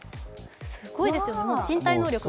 すごいですよね、身体能力が。